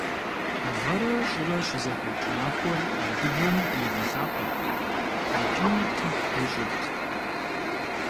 Гъэрэ щӏырэ щызэхэкӏ махуэр адыгэм игъэлӏапӏэрт икӏи тыхь ищӏырт.